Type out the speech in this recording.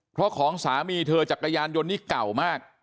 เพราะของสามีเธอจักรยานยนต์นี้เก่ามาก